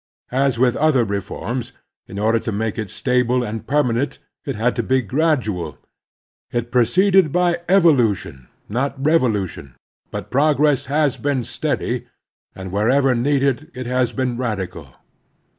As with other reforms, in order to make it stable and permanent, it had to be gradual. It proceeded by evolution, not revolution. But progress has been steady, and wherever needed it has been radi cal.